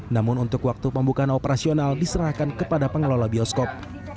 namun untuk waktu pembukaan operasional diserahkan kepada pengelola bioskop